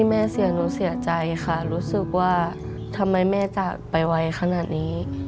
ไม่ตายไว้ขนาดนี้